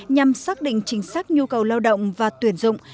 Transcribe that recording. nhằm xác định chính xác nhu cầu lao động và tuyển dụng